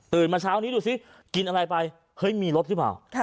ตื่นมาเช้านี้ดูซิกินอะไรไปมีรสหรือเปล่า